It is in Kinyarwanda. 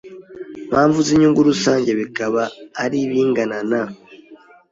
mpamvu z inyungu rusanga bikaba ari bingana na